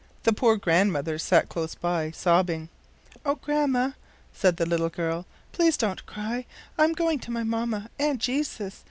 The poor grandmother sat close by, sobbing. "O, Grandma!" said the little girl, "please don't cry. I'm going to my mamma and Jesus.